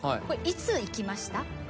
いつ行きました？